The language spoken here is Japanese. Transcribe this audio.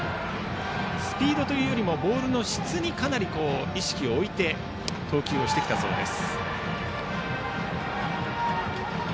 スピードというよりもボールの質にかなり意識を置いて投球をしてきたそうです。